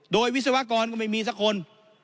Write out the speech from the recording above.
โดยวิศวกรก็ไม่มีสักคน